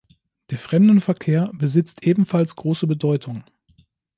Der Fremdenverkehr besitzt ebenfalls große Bedeutung.